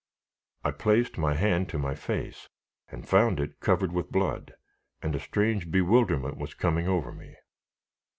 I placed my hand to my face, and found it covered with blood, and a strange bewilderment was coming over me.